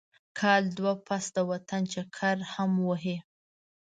کال دوه پس د وطن چکر هم وهي.